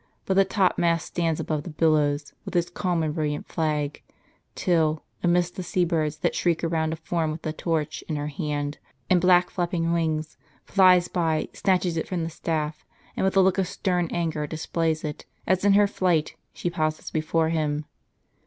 But the topmast stands above the billows, with its calm and brill iant flag; till, amidst the sea birds that shriek around, a form with a torch in her hand, and black flapping wings, flies by, snatches it from the staff, and with a look of stern anger displays it, as in her flight she pauses before him.